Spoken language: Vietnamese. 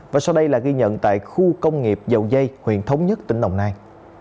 và sau đây là ghi nhận tại khu công nghiệp dầu dây huyện thống nhất tỉnh đồng nai